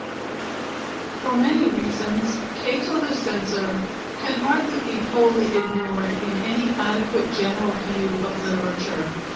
For many reasons, Cato "the Censor" can hardly be wholly ignored in any adequate general view of literature.